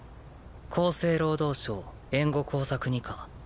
厚生労働省援護工作二課